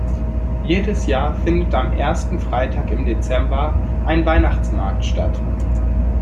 Jedes Jahr findet am ersten Freitag im Dezember ein Weihnachtsmarkt statt.